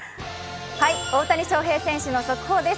大谷翔平選手の側方です。